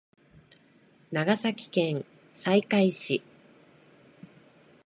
長崎県西海市